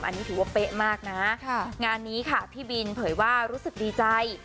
อันนี้ถือว่าเป๊ะมากนะงานนี้ค่ะพี่บินเผยว่ารู้สึกดีใจ